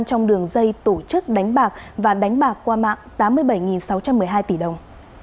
trong đường dây tổ chức đánh bạc và đánh bạc qua mạng tám mươi bảy sáu trăm một mươi hai tỷ đồng